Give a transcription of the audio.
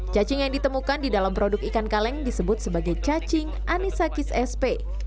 cacing yang ditemukan di dalam produk ikan kaleng disebut sebagai cacing anisakis sp